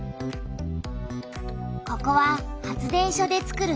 ここは発電所でつくる